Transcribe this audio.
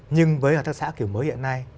nhưng với hợp tác xã kiểu mới hiện nay